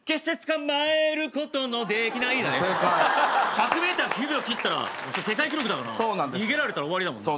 １００ｍ９秒切ったら世界記録だから逃げられたら終わりだもんな。